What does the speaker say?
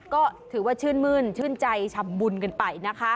ก็ถือว่าชื่นมื้นชื่นใจชำบุญกันไปนะคะ